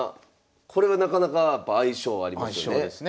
これはなかなかやっぱ相性ありますよね。